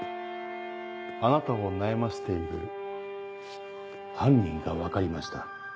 あなたを悩ませている犯人が分かりました。